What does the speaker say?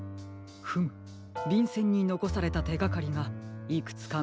フムびんせんにのこされたてがかりがいくつかみつかりましたよ。